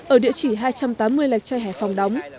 ở địa chỉ hai trăm tám mươi lạch trai hẻ phòng đóng